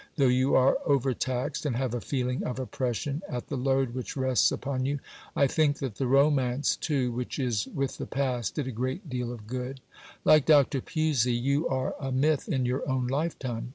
though you are overtaxed and have a feeling of oppression at the load which rests upon you. I think that the romance, too, which is with the past, did a great deal of good. Like Dr. Pusey, you are a Myth in your own life time.